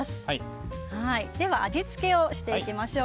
では味付けをしていきましょう。